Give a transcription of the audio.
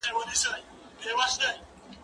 زه به سبا مينه څرګنده کړم!؟